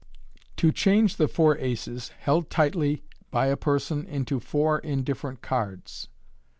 To Change the Four Aces, held tightly by a Person^ into Four Indifferent Cards.